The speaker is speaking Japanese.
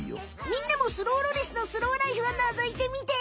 みんなもスローロリスのスローライフをのぞいてみて！